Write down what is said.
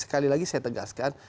sekali lagi saya tegaskan